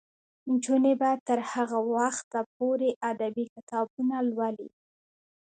نجونې به تر هغه وخته پورې ادبي کتابونه لولي.